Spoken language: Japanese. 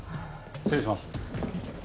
失礼します。